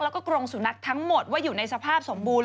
แล้วก็กรงสุนัขทั้งหมดว่าอยู่ในสภาพสมบูรณ